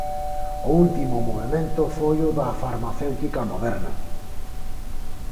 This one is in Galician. O último movemento foi o da farmacéutica Moderna.